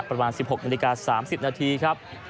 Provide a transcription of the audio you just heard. ประมาณ๑๖นาฬิกา๓๐นาทีครับ